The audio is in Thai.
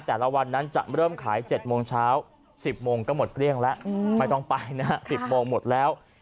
แต่ละวันนั้นจะเริ่มขาย๗โมงเช้า๑๐โมงก็หมดเกลี้ยงแล้วไม่ต้องไปนะ๑๐โมงหมดแล้ว